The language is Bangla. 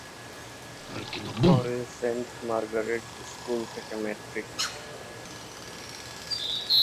পরে সেন্ট মার্গারেট স্কুল থেকে ম্যাট্রিক।